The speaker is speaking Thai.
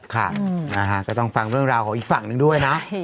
ค่ะนะฮะก็ต้องฟังเรื่องราวของอีกฝั่งหนึ่งด้วยนะ